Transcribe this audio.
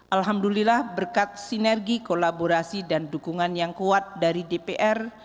alhamdulillah berkat sinergi kolaborasi dan dukungan yang kuat dari dpr